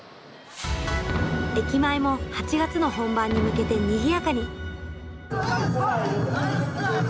駅前も８月の本番に向けてにぎやかに。